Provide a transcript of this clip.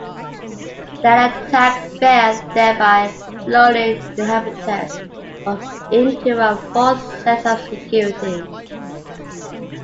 The attack failed, thereby lulling the inhabitants of into a false sense of security.